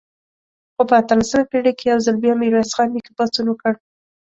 خو په اتلسمه پېړۍ کې یو ځل بیا میرویس خان نیکه پاڅون وکړ.